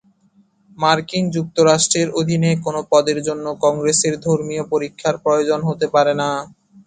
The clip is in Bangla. মার্কিন যুক্তরাষ্ট্রের অধীনে কোনো পদের জন্য কংগ্রেসের ধর্মীয় পরীক্ষার প্রয়োজন হতে পারে না।